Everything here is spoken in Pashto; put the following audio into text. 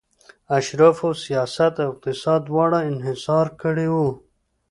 اشرافو سیاست او اقتصاد دواړه انحصار کړي وو